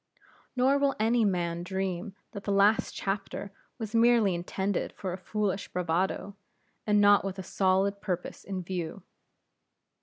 Nor will any man dream that the last chapter was merely intended for a foolish bravado, and not with a solid purpose in view.